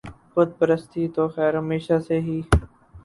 بت پرستی تو خیر ہمیشہ سے ہی